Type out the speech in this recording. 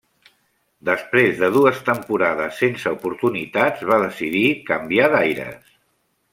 Després de dues temporades sense oportunitats va decidir canviar d'aires.